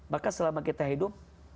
maka selama kita hidup